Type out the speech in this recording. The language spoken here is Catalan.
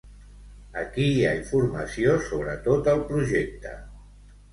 Aquí hi ha informació sobre tot el projecte.